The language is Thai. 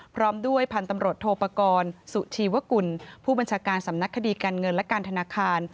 พร้อมด้วยพันธุ์ตำรวจโทปกรณ์สุชีวกุลผู้บัญชาการสำนักคดีการเงินและการธนาคาร